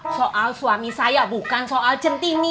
soal suami saya bukan soal centini